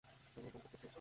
তোর বোনকে খুঁজছিস?